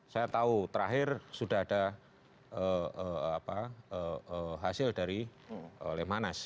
saya tahu terakhir sudah ada hasil dari lemanas